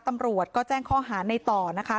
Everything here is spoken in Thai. ตำรวจก็แจ้งข้อหาในต่อนะคะ